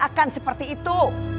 enggak akan seperti itu